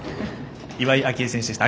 岩井明愛選手でした。